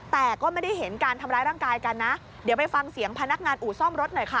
แต่ก็ไม่ได้เห็นการทำร้ายร่างกายกันนะเดี๋ยวไปฟังเสียงพนักงานอู่ซ่อมรถหน่อยค่ะ